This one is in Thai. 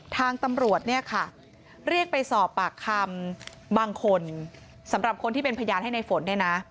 ทางตำรวจเรียกไปสอบปากคำบางคนสำหรับคนที่เป็นพยานให้ในฝน